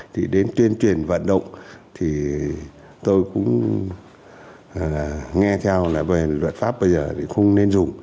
thì đến tuyên truyền vận động thì tôi cũng nghe theo là về luật pháp bây giờ thì không nên dùng